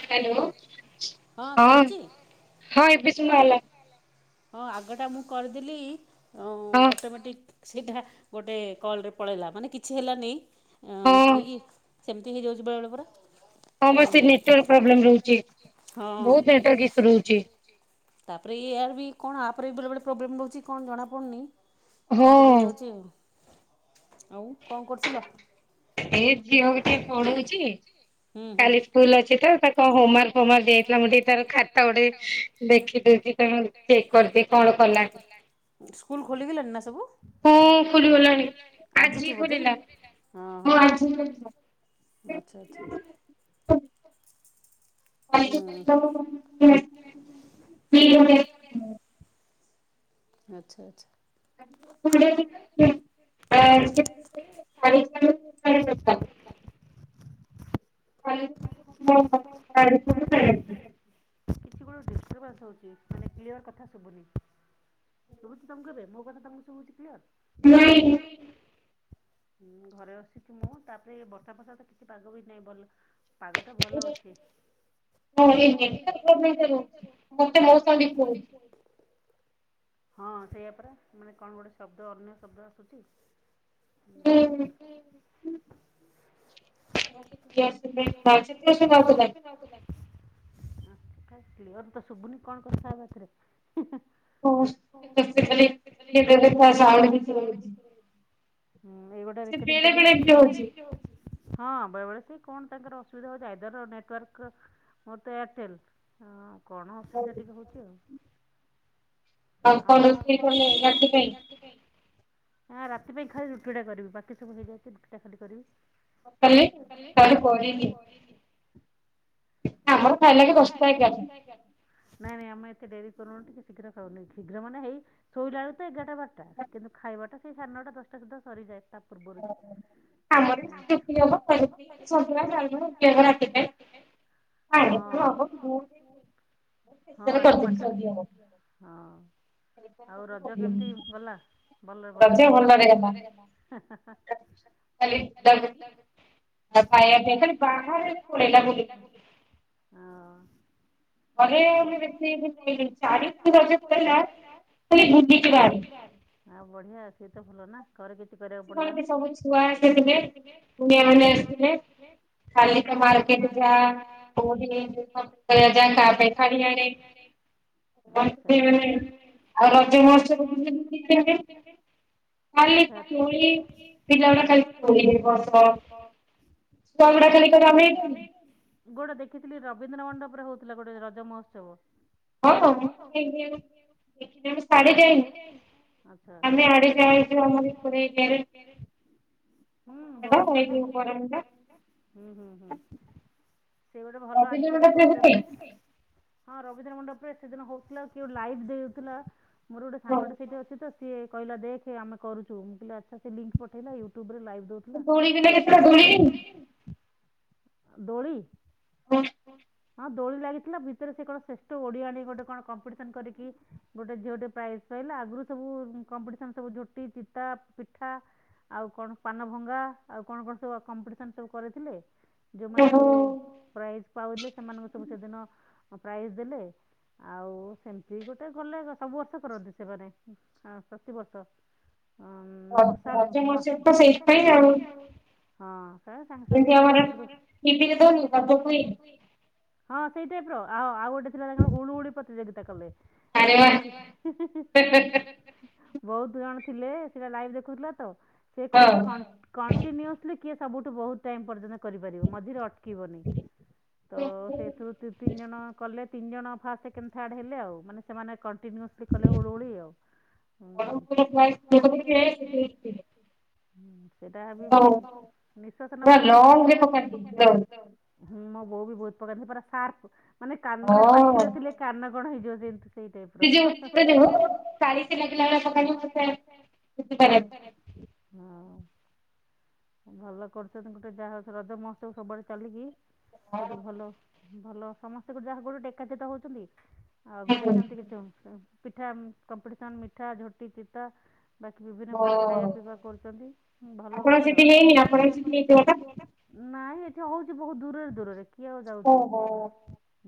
Hello ହଁ ହଁ ଏବେ ଶୁଣା ହେଲା। ହଁ ଆଗଟା ମୁଁ କରିଦେଲି। ହଁ ଗୋଟେ ମିନଟ୍ ସେଇଟା ହେଁ ଗୋଟେ କଲରେ ପଳେଇଲା ମାନେ କିଛି ହେଲାନି କି ସେମିତି ହେଇଯାଉଛି ବେଳେଳେ ପରା। ହଁ ବେ ସେ ନେଟୱାର୍କ ପାଉନି। ପ୍ରୋବ୍ଲେମ ରହୁଛି ବହୁତ [unintelligible] ଇସୁ ରୋହୁଚି। ତାପରେ ଏୟାର ବି କଣ ଆପରେ ବି ବେଳେ ବଳେ ପ୍ରୋବ୍ଲେମ ରହୁଛି କଣ ଜଣା ପଡୁନି। ସେମିତି ହେଇଯାଉଛି ଆଉ ଆଉ କଣ କରୁଥିଲ? ଏ ଝିଅକୁ ଟିକେ ପଢଉଛି। ହୁଁ ହୁଁ ସ୍କୁଲ ଖୋଲିଗଲାଣିନା ସବୁ ହଁ ଖୋଲିଗଲାଣି ଆଜି ଖୋଲିଲା ହଁ ଆଜି ଖୋଲିଲା। ହଁ। [unintelligible] ଆଚ୍ଛା ଆଚ୍ଛା। [unintelligible] [unintelligible] ବୁଝି ପାରୁଥିବ ସିଏ ମାନେ କ୍ଳିଅର ର କଥା ଶୁଭୁନି। ଶୁଭୁଛି ତମକୁ ଏବେ ମୋ କଥା ତମକୁ ଶୁଭୁଛି କ୍ଳିଅର। ନାଇଁ ହଁ ଘରେ ଆସିଛି ମୁଁ ତାପରେ ବର୍ଷା ଫର୍ଷା ତ କିଛି ପାଗ ବି ନାହିଁ ଭଲ ପାଗ ତ ଭଲ ଅଛି। ହଁ ସେଇଆପରା ମାନେ କଣ ଗୋଟେ ଶବ୍ଦ ଅନ୍ୟ ଶବ୍ଦ ଆସୁଛି। [unintelligible] [unintelligible] କ୍ଳିଅର ତ ଶୁଭୁନି କଣ କଥା ହବା ଏଥିରେ? [unintelligible] ହୁଁ ଏଇଗୋଟେ ରେକଡିଂ କଲେ ବି ସେମିତି ହଁ ବେଳେବେଳେ ସେ କଣ ତାଙ୍କର ଅସୁବିଧା ହେଉଛି ଆଇଦର ନେଟୱାର୍କ ମୋର ତ ଏୟାରଟେଲ୍ କଣ ଅସୁବିଧା ଟିକେ ହଉଛି ଆଉ। ଆଉ ଆଁ ରାତି ରାତି ପାଇଁ ଖାଲି ରୁଟି ରୁଟି କରିବି ବାକି ସବୁ ହେଇଯାଇଛି ରୁଟିଟା ଖାଲି କରିବି। କାଲି କାଲି ପଢ଼ିନି। ଆମର ଖାଇଲା କୁ ଦଶଟା ଏଗାରଟା। ନାଇଁ ନାଇଁ ଆମ ଏତେ ଡେରି କରୁନ ଟିକିଏ ଶୀଘ୍ର ଖାଉ। ଶୀଘ୍ର ମାନେ ଏଇ ଶୋଇଲା ବେଳ କୁ ତ ଏଗାରଟା ବାରଟା କିନ୍ତୁ ଖାଇବାଟା ସେ ସାଢେ ନଅଟା ଦଶଟା ସୁଦ୍ଧା ସରିଯାଏ। ତା ପୂର୍ବରୁ ଯେ ହଁ ହଁ ଆଗେ ପାଠ ହଁ ଆଉ ରଜ କେମିତି ଗଲା ଭଲରେ ଭଲରେ ସବୁ? କାଲି ଖାଇବା ପିଇବା କଲି ବାହାରେ ପଳେଇଲା ବୁଲିକି। ହଁ ବଢିଆ ଆଉ ସେଏ ତ ଭଲ ନା। ଘରେ କୁ ରୁଟି କରିବାକୁ ପଡିଲାନି ହଁ ଆଚ୍ଛା ଅ ଶୁଣ ତ ଟିକେ ଗୋଟେ ଦେଖିଥିଲି ରବୀନ୍ଦ୍ର ମଣ୍ଡପ ସେପଟେ ହଉଥିଲା ଗୋଟେ ରଜ ମହୋତ୍ସବ। ହଁ ହ ମୁ ଦେଖି ସିଆଡେ ଯାଇନୁ ଆମେ ଆଡେ ଯାଇ ହୁଁ ବହୁତ ଗୁଡେ ଦେଖୁ ହୁଁ ହୁଁ ହୁଁ ସେ ଗୋଟେ ଭଲ ଆଜିକାଲି କରୁଛନ୍ତି। ହଁ ରବୀନ୍ଦ୍ର ମଣ୍ଡପରେ ଏତେ ଦିନ ହଉଥିଲା କିଏ ଗୋଟେ ଲାଇଟ୍ ଦେଉଥିଲା। ମୋର ଗୋଟେ ସାଙ୍ଗ ଟେ ସେଇଠି ଅଛି ତ ସିଏ କହିଲା ଦେଖେ ଆମ କରୁଛୁ ମୁଁ କହିଲି ସିଏ ଲିଙ୍କ୍ ପଠାଇଲା ୟୁଟୁବ ରେ ଲାଇକ ଦଉଥିଲା ଗଳି କେତେଟ ଗୋଳି ଦୋଳି [unintelligible] ହଁ ଦୋଳି ଲାଗିଥିଲା ଭିତରେ ସେ କଣ ଶ୍ରେଷ୍ଠ ଓଡିଆଣ ଗୋଟେ କଣ କମ୍ପିଟିସନ କରିକି ଗୋଟେ ଝିଅ ଟେ ପ୍ରାଇଜ ପାଇଲା ଆଗରୁ ସବୁ କମ୍ପିଟିସନ ସବୁ ରୁଟି ପିତା ପିଠା ଆଉ କଣ ପାନ ଭଙ୍ଗା ଆଉ କଣ କଣ ସବୁ କମ୍ପିଟିସନ୍ ସବୁ କରିଥିଲେ ୲ ଯୋଉମାନେ ସବୁ ପ୍ରାଇଜ୍ ପାଉଲେ ସେମାନଙ୍କୁ ସବୁ ସେଦିନ ପ୍ରାଇଜ ଦେଲେ ଆଉ ସେମିତି ଗୋଟେ ଗଲେ ସବୁ ବର୍ଷ କରନ୍ତି ସେମାନେ ପ୍ରତିବର୍ଷ ୲ ମଶାଲ ହଁ ସାଙ୍ଗସାଥି ଗୋଟେ ହଁ୲ ସେଇ ଟାଇପ ର ଆଉ ଆଉ ଗୋଟେ ଥିଲା ତାଙ୍କର ହୁ ହୁଡି ପ୍ରତିଯୋଗିତା କଲେ ୲ ମୁଁ ଦେଖି ହେ ହେ ହେ ବହୁତ ଜଣ ଥିଲେ ସେଇଟା ଲାଇଭ ଦେଖୁଥିଲା ତ। ସେ କହୁଛି କଣ୍ଟି କଣ୍ଟିନ୍ୟୁସଲି କିଏ? ସବୁଠୁ ବହୁତ ଟାଇମ ପର୍ଯ୍ୟନ୍ତ କରିପାରିବ ମଝିରେ ଅଟକି ବନି ତ ସେଇଠୁ ତିନି ଜଣ କଲେ ତିନି ଜଣ ଫାଷ୍ଟ ସେକଣ୍ଡ ଥାର୍ଡ ହେଲେ ଆଉ ମାନେ ସେମାନେ କଣ୍ଟିନ୍ୟୁସଲି କଲେ ହୁଳ ହୁଳି ଆଉ ଉଁ କ [unintelligible] ହୁଁ। ସେଇଟା ବି ନିଶ୍ଵାସ ନବା କି? ହୁଁ ମୋ ବୋଉ ବି ବହୁତ ପକାର ସେ ପୁରା ସାର୍ପ ମାନେ କାନ ମାନେ ପାଖରେ ଥିଲେ କାନ କଣ ହେଇଯିବ ଯେମିତି ସେ ଯଉ ସେ ଯଉ ସଇଡ ରେ ଲାଗିଲା ଭଳିଆ [unintelligible] [unintelligible] ହଉ ଭଲ କରୁଛନ୍ତି ଗୋଟେ ଯାହା ହଉ ରଜ ମହୋତ୍ସବ ସବୁଆଡେ ଚାଲିକି ଗୋଟେ ଭଲ ଭଲ ସମସ୍ତେ ଗୋଟେ ଯାହାକୁ ଗୋଟେ ଡେକାଚେତା ହଉଛନ୍ତି। ଆଉ ବୁଧ ସେମିତି କି? ପିଠା ଉଁ କମ୍ପିଟିସନ ମିଠା ଝୋଟି ଚି ତା ବାକି ବିଭିନ୍ନ ପ୍ରକାର ଖାଇବା ପିଇବା କରୁଛନ୍ତି ଭଲ ଗୋଟେ ଆଉ ନାଇଁ ହଉଛି ବହୁତ ଦୂରରେ ଦୂରରେ। କିଏ ଆଉ ଯାଉଚି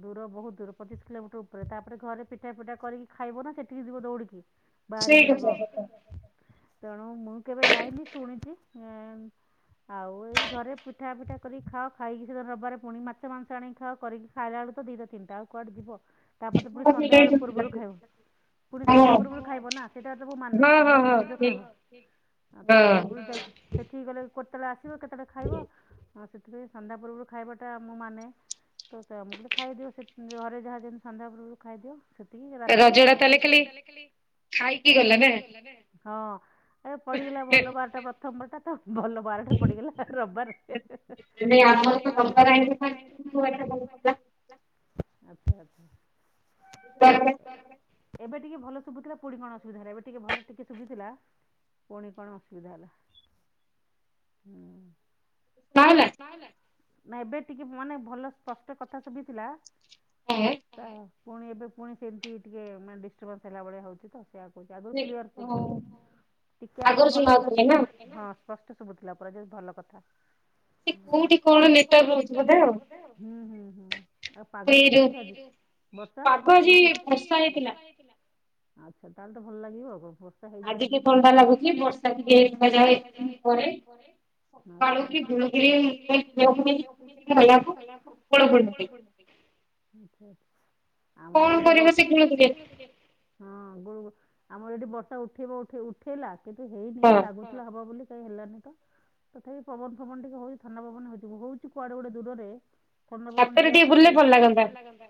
ଦୂର ବହୁତ ଦୂର ପଚିଶ କିଲୋମିଟର ଉପରେ ତାପରେ ଘରେ ପିଠା ଫିଟା କରିକି ଖାଇବ ନା ସେଠିକି ଯିବ ଦୌଡ଼ିକି। ବାହାରିକି ଯିବ। ସେଇ କଥା ତ। ତେଣୁ ମୁଁ କେବେ ଯାଇନି ଶୁଣିଛି ଏ ଆଉ ଏ ଘରେ ପିଠା ଫିଠା କରିକି ଖାଅ ଖାଇକି ସେଦିନ ରବିବାରେ ପୁଣି ମାଛ ମାଂସ ଆଣିକି ଖାଅ କରିକି ଖାଇଲାବେଳକୁ ତ ଦିଇଟା ତିନିଟା ଆଉ କୁଆଡ଼େ ଯିବ? ତାପରେ ତ ପୁଣି ସନ୍ଧ୍ୟାଆଳୁ ପୂର୍ବରୁ ଖାଉ ପୁଣି ସନ୍ଧ୍ୟା ପୂର୍ବରୁ ଖାଇବ ନା ସେଇଟା ସବୁ ମାନେ ସନ୍ଧ୍ୟା ପୂର୍ବରୁ ଯୋଉ ଖାଇବ ଆଉ ତା ପୂର୍ବରୁ ତ ସେଠିକି ଗଲେ [unintelligible] [unintelligible] କେତେବେଳେ ଖାଇବ? ହଁ ସେଥିପାଇଁ ସନ୍ଧ୍ୟା ପୂର୍ବରୁ ଖାଇବାଟା ମୁଁ ମାନେ ତ ସେୟା ଆମୁଁ କହିଲି ଖାଇଦିଅ ସେ ଘରେ ଯାହା ଯେମିତି ସନ୍ଧ୍ୟା ପୂର୍ବରୁ ଖାଇଦିଅ ସେ ରାତିରେ ଯାହା ଟିକେ ଖାଇକି ଗଲେ ନା? ହଁ। ଏ ପଡିଗଲା ଭଲ ବାରଟା ପ୍ରଥମ ବାରଟା ଭଲ ବାରଟା ପଡିଗଲା ରବିବାର ହେଁ ହେଁ। ଆଚ୍ଛା ଆଚ୍ଛା। [unintelligible] ଏବେ ଟିକେ ଭଲ ଶୁଭୁଥିଲା ପୁଣି କଣ ଅସୁବିଧା ହେଲା ଏବେ ଟିକେ ଭଲ ଟିକେ ଶୁଭୁଥିଲା ପୁଣି କଣ ଅସୁବିଧା ହେଲା ହୁଁ। ନା ଏବେ ଟିକେ ମାନେ ଭଲ ସ୍ପଷ୍ଟ କଥା ଶୁବିଥିଲା ଏ ପୁଣି ଏବେ ପୁଣି ସେମିତି ଟିକେ ମାନେ ଡିଷ୍ଟର୍ବାନ୍ସ ହେଲା ଭଳିଆ ହଉଛି ତ। ସେ ଆଗରୁ କ୍ଲିୟର ଶୁଭୁଥିଲା ଟିକେ ଆଗରୁ ଭଲ୍ ପୂରା ହଁ ସ୍ପଷ୍ଟ [unintelligible] ଯେ ଭଲ କଥା କୋଉଠି କଣ ନେଟୱାର୍କ ରହୁଛି ବୋଧେ ଆଉ। ଆଉ ପାଗ କେମିତି ଅଛି ଆଜି ବର୍ଷା ହଉଛି। ଆଚ୍ଛା। ତାହେଲେ ତ ଭଲ ଲାଗିବ ଆଉ। ତ ହେଇଯାଇଚି ବୋଲି ଆଜି ଟିକେ ଥଣ୍ଡା ଲାଗୁଚି ବର୍ଷା ଟିକେ [unintelligible] ଆମର ଏଠି ବର୍ଷା କଣ କରିବ ଶିଖିଲ ଟିକେ ହଁ ଗୁଳୁ ଆମର ଏଠି ବର୍ଷା ଉଠେଇବ ଉଠେଇବ ଉଠେଇଲେ କିନ୍ତୁ ହେଇନି ଲାଗୁଥିଲା ହବ ହଁ। ହେଲାନି ତଥାପି ପବନ ଫବନ ଟିକେ ହଉଛି ଥଣ୍ଡା ପବନ ହଉଛି ହଉଛି କୁଆଡେ ଗୋଟେ ଦୂରରେ ଥଣ୍ଡା ପବନ ଟିକେ ଆସୁଛି। ହାତରେ ଟିକେ ବୁଲିଲେ ଭଲ ଲାଗନ୍ତା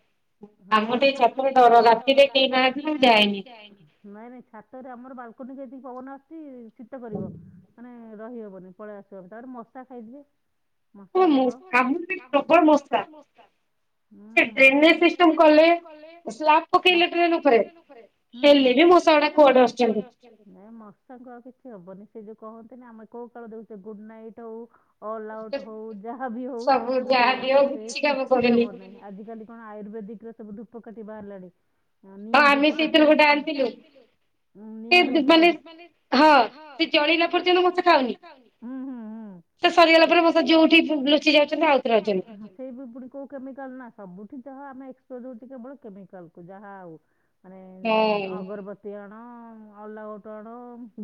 ହଁ ନାଇ ଛାତ ଆମକୁ ଟିକେ ଛାତକୁ ଡର ରାତିରେ କହିନାହାନ୍ତି ମୁଁ ଯାଏନି। ଛାତରେ ଆମର ବାଲକୁନି କୁ ଏତିକି ପବନ ଆସୁଚି ଶୀତ କରିବ ମାନେ ରହିହବନି ପଳେଇ ଆସିବ। ତାପରେ ମଶା ଖାଇଯିବେ। ମଶା ପ୍ରବଳ [inaudible] ପ୍ରବଳ ମଶା। ହୁଁ ମଶା ସେ ଡ୍ରେନଜ ସିଷ୍ଟମ କଲେ ସ୍ଲାପ ପକାଇଲେ ଡ୍ରେନ ଉପରେ ହୁଁ ହୁଁ। ହେଲେ ବି ମଶା ଗୁଡା କୁଆଡୁ ଆସୁଚନ୍ତି। ଏ ମଶା କୁ ଆଉ କିଛି ହବନି। ସେ ଯୋଉ କହନ୍ତି ନା ଆମେ କୋଉ କାଳ ଦଉଛେ ଗୁଡ ନାଇଟ୍ ହଉ ଅଲ ଆଉଟ ହଉ ଯାହା ବି ହଉ ସେ ସେ କିଛି କାମ ନାହିଁ। ଆଜିିକାଲି କଣ ଆୟୁର୍ବେଦିକ ଧୁପ କାଠି ବାହାରିଲାନି। ହଁ ଆମେ ସେଇଥିରୁ ଗୋଟେ ଆଣିଥିଲୁ। [inaudible] ହଁ ସେ ଜଳିଲା ପର୍ଯ୍ୟନ୍ତ ମଶା ଖାଉନି ହୁଁ ହୁଁ ହୁଁ ସେ ସରିଗଲା ପରେ ମଶା ଯେଉଁଠି ଲୁଚିଯାଇଛନ୍ତି ଆଉ ଥରେ ଆଉଚନ୍ତି [unintelligible] [unintelligible] କେବଳ କେମିକାଲକୁୁ ଯାହା ଆଉ ପେ ନ ଅଲଆଉଟଡ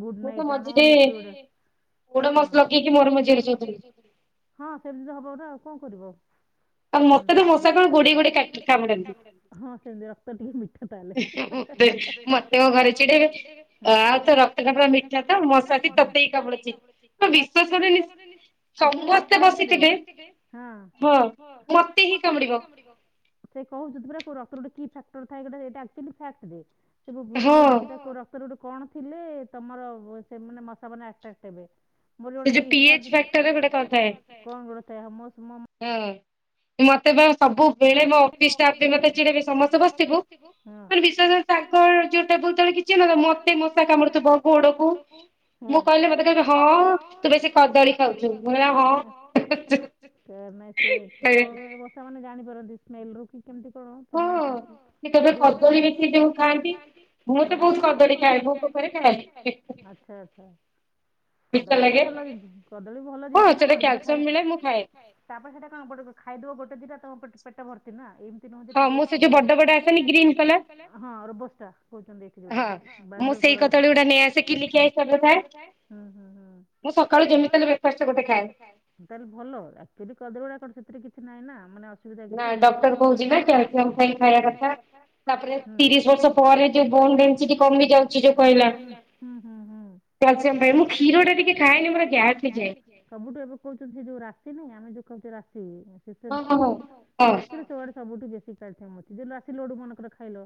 ଗୁଡ ନାଇଟ୍ ଆଣ ଲିକୁଇଡ [unintelligible] ହଁ ସେମିତି ତ ହବ ବୋଧେ ଆଉ କଣ କରିବ? ଉ ମତେ ତ ମଶା କଣ ଗୋଡେଇ ଗୋଡେଇ କାଟେ କାମୁଡନ୍ତି। ହଁ ସେମିତି ରକ୍ତ ଟିକେ ମିଠା। ମତେ ମ ମତେ ମୋ ଘରେ ଚିଡେଇବେ ଆ ତୋ ରକ୍ତ ଟା ପୂରା ମିଠା ତ ମଶା ବି ତତେ ହିଁ କମୁଡୁଚି ନା ଆକଚୁଲି [unintelligible] ଆକ୍ଚୁଲି [unintelligible] ମତେ ହିଁ କାମୁଡିବ ସେ କହିଚନ୍ତି ପରା କଉ ରକ୍ତରେ ଗୋଟେ [inaudible] [unintelligible] ସେଠି ଗୋଟେ କଣ ଥିଲେ ତମର ସେ ମାନେ ମଶା ମାନେ ଆଟ୍ରାକ୍ଟ ହେବେ? ମୁଁ ଜଣେ ପିହି ଥାର ଏ ଯୋଉ ପି ଏଚ ଫାକ୍ଟରରେ ଗୋଟେ କଣ ଥାଏ କଣ ଗୋଟେ ଥାଏ ହଁ ମୁଁ ହୁଁ ମତେ ପା ସବୁ ମୋ ଅଫିସ୍ ଷ୍ଟାଫ୍ ବି ମତେ ଚିଡେଇବେ ସମସ୍ତେ ବସିିଥିବୁ ମାନେ ବିଶ୍ୱାସ କର ତାଙ୍କ ଯୋଉ ଟେବୁଲ ତଳେ କିଛି ହେନଥିବ ମତେ ମଶା କାମୁଡୁ ଥିବ ଗୋଡକୁ ମୁଁ କହିଲେ ମତେ କହିବେ ହଁ ତୁ ବେଶୀ କଦଳୀ ଖାଉଚୁ ମୁ କହିବି ହଁ [unintelligible] ସେ ଏତୋବେଳେ ବର୍ଷା ଜାଣିପାରନ୍ତି। ମେଲରୁପ୍ କେମତି କଣ ସେମାନେ ଆଛା ଆଛା କଦଳୀ ଗୋଟେ କଦଳୀ ଭଲ ଜିନିଷ ନା ଗୋଟେ ଦିଟା ଖାଇ ତାପରେ ସେଟାଣ ଖାଇଦ ଗୋଟେ ଦିଟା ତମ ପେଟ ପେଟ ଭର୍ତ୍ତି ନା ସେଇ ନୁହଁ କି ଟିକେ ହଁ ରୋବୋସ ଟା କହୁଛନ୍ତି ଏଠି ଯୋଉଟା ବାଇଗଣ କଲର୍। ହୁଁ ହୁଁ ତାହାଲେ ଭଲ ଏବେ କଦଳିରା କନ୍ ସେଥିରେ କିଛି ନାହିଁ ନା ମାନେ ଅସୁବିଧା ହଁ ଡକ୍ଟର କହୁଛି ପା କ୍ୟାଲସିୟମ ପାଇଁ ଖାଇବା କଥା ତିରିଶ ବର୍ଷ ପରେ ଯୋଉ ବୋନ ଡେନ୍ସିଡ୍ କମିଯାଉଛି ଯୋଉ କହିଲା ମୁଁ କ୍ଷିର ଟା ଟିକେ ଖାଏନି ମୋର ଗ୍ୟାସ ହେଇଯାଏ ସବୁଠୁ ଏବେ କହୁଚନ୍ତି ଯୋଉ ରାଶି ନୁହେଁ ଆମେ ଯୋଉ କହୁଚେ ରାଶି [unintelligible] ସେତେରେ ଚୋଉଆଡ ସବୁଠୁ ବେଶୀ କ୍ୟାଲସିଅମ ଅଛି ଯେ ରାଶି ଲଡୁ ମନେକର ଖାଇ ଖାଇନବ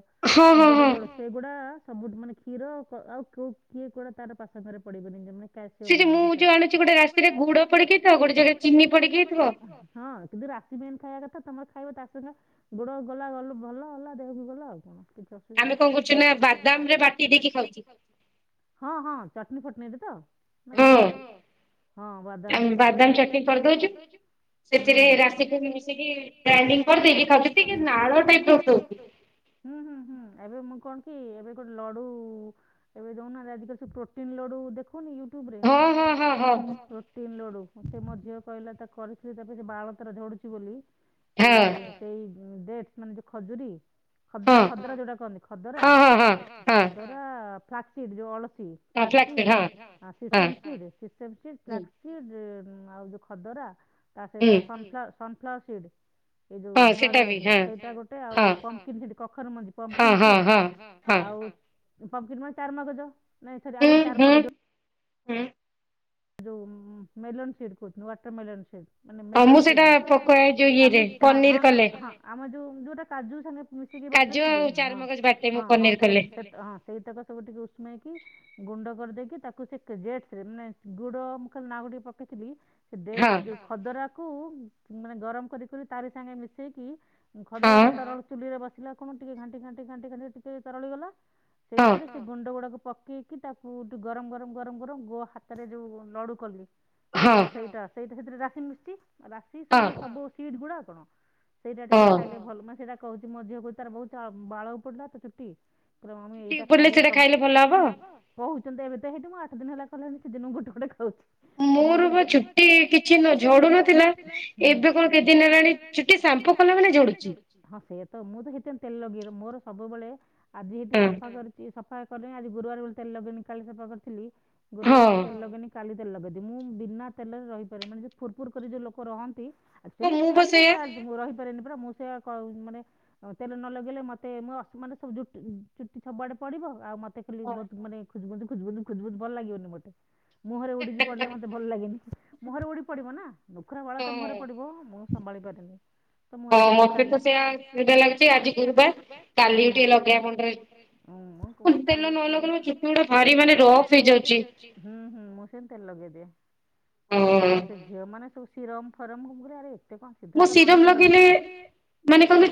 ହଁ ହଁ ଗୁଡ଼ ଲଡ଼ୁ ସେଗୁଡା ସବୁଠୁ ମାନେ କ୍ଷୀର ଅ ଆଉ ଫ୍ରୁଟ୍ ଇଏ କୋଉଡା ତାର ପାସଙ୍ଗରେ ପଡିବେନି ଜେମିତ୍ ସେ ଯୋଉ ମୁଁ ଯୋଉ ଆଣୁଚି ଗୋଟେ ରାଶିରେ ଗୁଡ଼ ପଡିକି ତ ଗୋଟେ ଜାଗାରେ ଚିନି ପଡିକି ହେଉଥିବ ହଁ କିନ୍ତୁ ରାଶି ଯେମିତି ଖାଇବା କଥା। ଖାଇବ ତା ସଙ୍ଗେ ଗୁଡ ଗଲା ଗଲୁ ଭଲ ହେଲା ଦେହକୁ ଗଲା ଆଉ କଣ ଆମେ କଣ କରୁଚୁ ନା ବାଦାମରେ ବାଟି ଦେଇକି ହଁ ହଁ ଚଟଣି ଫଟନି ରେ ତ ନା କଉଥିରେ ହଁ ବାଦାମରେ ଚଟଣି କଲେ ଗ୍ରାଇଣ୍ଡିଙ୍ଗ କରିଦେଇକି ତାକୁ ଟିକେ ଶାଳ ଟାଇପ ର ପୋଡ଼ ହୁଁ ହୁଁ ହୁଁ ଏବେ ମୁଁ କଣ କି ଏବେ ଗୋଟେ ଲଡୁ ଏବେ ଦଉନାହାନ୍ତି ଆଜିକାଲିବ ପ୍ରୋଟିନ ଲଡୁ ଦେଖ ଖୋଉନୀ ୟୁଟ୍ୟୁବ ରେ ପ୍ରୋଟିନ ଲଡୁ ସେ ମୋ ଝିଅ କହିଲା ତାକୁ କରିଥିଲି ତାପରେ ସେ ବାଳ ତାର ଝଡୁଛି ବୋଲି ସେ ହଁ ସେଇ ଡେଟ୍ ମାନେ ଯୋଉ ଖଜୁରୀ ଖଦରା ଖଦରା ଯୋଉଟା କହନ୍ତି ଖଦରା ଖଦରା ଟ୍ରାସିଡ୍ ଯୋଉ ଅଳପ କ୍ଲାସିଡ, ସିଲସମ୍ସିଡ ସିଲସମ୍ସିଡ କ୍ଲାସିଡ ହୁଁ ଆଉ ଯୋଉ ଖଜରା ତା ସହିତ ସନ୍ ଫ୍ଲାୱର୍ ସନ୍ କ୍ଲା ସିଡ୍ ଏଇ ଯୋଉ ଧଆ ସେଇଟା ଗୋଟେ ଆଉ ପମ୍ପକିନ ସିଡ୍ କଖାରୁ ମଞ୍ଜି ଆଉ ପମ୍ପକିନ୍ ମାନେ ଚାରୁ ମାଗଜ ସେଇଟା ଆଉ ଗୋଟେ ଚାରୁ ମଗଜ ହୁଁ। ଯୋଉ ମେଲୋନ୍ ସୀଡ଼ କହୁଛି ୱାଟର୍ ମେଲନ୍ ସୀଡ଼। ମାନେ ମେଲନ ସିଡ୍ ଆମେ ହଁ ଆମେ ଯୋଉ ଯୋଉଟା କାଜୁ ସାଙ୍ଗେ ମିଶିକି ବାଟନ୍ତି ଜେ ହଁ ହଁ ହଁ ହଁ ସେଇ ତକ ସବୁ ଟିକେ ଉସୁମେଇକି ଗୁଣ୍ଡ କରିଦେଇକି ତାକୁ ସେଇ ତେଜେସ ରେ ନେ ଗୁଡ ମୁଁ ଖାଲି ନାକୁ ପକେଇଥିଲି। ସେ ଡେଟ୍ ଯୋଉ ଖଦରା କୁ ମାନେ ଗରମ କରି କରି ତାରି ସାଙ୍ଗେ ମିଶେଇକି ଖଦଡା ଗୁଡ଼ା ତରଳ ଚୁଲିରେ ବସେଇ ଥିଲା କଣ ଟିକେ ଘାଣ୍ଟି ଘଣ୍ଟି ଘାଣ୍ଟି ଘାଣ୍ଟି ଟିକେ ତରଳି ଗଲା। ସେଇଥିରେ ସେ ଗୁଣ୍ଡ ଗୁଡାକ ପକେଇକି ତାକୁ ଗରମ ଗରମ ଗରମ ଗରମ ଗୋ ହାତ ରେ ଯୋଉ ଲଡ଼ୁ କଲି ସେଇଟା ସେଇଟା ସେଇ ତ ସେଥିରେ ରାଶି ମିଷ୍ଟି ଉ ରାଶି ସବୁ ସବୁ ସିଡ୍ ଗୁଡ଼ା। କଣ? ସେଇଟା ଟିକେ ଖାଇଲେ ଭଲ ମା ସେଇଟା କହୁଛି ମଝି [unintelligible] ତାର ବହୁତ ବାଳକୁ ପଡିଲା ତ ଚୁଟି ମି ଏଇଟା ଖାଇଲେ କହୁ ଏବେ ହେଇଠି ଆଠ ଦିନ ହେଲା [unintelligible] ଦିନକୁ ଗୋଟ ଗୋଟେ ଖାଉଛି। ମୋର ଚୁଟି କିଛି ଝଡୁନଥିଲା ଏବେ କଣ କେଦିନ ହେଲାଣିୁ ଚୁଟି ସାମ୍ପୁ କଲା ମାନେ ଝଡୁଛି। ତ ମୁଁ ତ ସେଥିପାଇଁ ତେଲ ଲଗେଇ ମୋର ସବୁବେଳେ ଆଜି ଏଠି ସଫା କରିଛି ସ ସଫା କରିନି ଆଜି ଗୁରୁବାବୋଲି ତେଲ ଲଗେଇନି କାଲି ସଫା କରିଥିଲି। ଗୁରୁବାର ବୋଲି ତେଲ ଲଗେଇନି କାଲି ତେଲ ଲଗେଇଦିଏ ମୁଁ ବିନା ତେଲରେ ରହିପାରେନି ମାନେ ଯେଁ ଫୁୁରଫୁର କରି ଯେଉଁ ଲୋକ ରହନ୍ତି। [unintelligible] ମୁଁ ସେ ମାନେ ତେଲ ନ ଲଗେଇଲେ ମତେ ମାନେ ଚୁଟି ଛଡେ ପଡିବ ଆଉ ମୋତେ ଦେଖିଲେ ବହୁତ ମାନେ ଖୋଜୁ ଖୁ ଖୁ ଭଲ ଲାଗିବବନି ମୋତେ ମୁହଁରେ ଉଡିକି ପଡିଲେ ମତେ ଭଲ ଲାଗେନି। ମୁହଁରେ ଉଡି ପଡିବ ନାଁ ନୁଖୁରା ବାଳ ତ ମୁହଁ ରେ ପଡିବ ସମ୍ଭାଳି ପାରେନି ସମୁଁ କାଲି କାଲିସମସ୍ତେ ଆଉବିଧା ଲାଗୁଛି ଆଜି ଗୁରୁବାର ହୁଁ କାଲି କାଲି ଲଗେଇବା [inaudible] ଛୁଟି ଗୋଡ ରୋଫ ହୁଁ ହୁଁ ମୁଁ ତେଲ ଲଗେଇଦିଏ ତ ମୋର ସେ ଝିଅ ମାନେ ସବୁ ସିରମ [inaudible] ସିଧା ନଡ଼ିଆ ତେଲ ଲଗେଇଲେ ଶିରପ ଲଗେଇଲେ ମାନେ